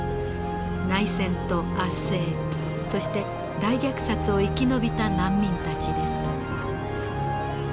内戦と圧政そして大虐殺を生き延びた難民たちです。